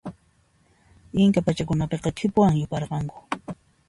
Inca pachakunapiqa khipuwan yuparqanku.